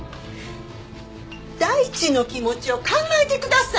大地の気持ちを考えてください！